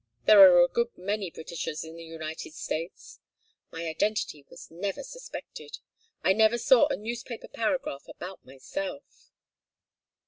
There are a good many Britishers in the United States. My identity was never suspected. I never saw a newspaper paragraph about myself."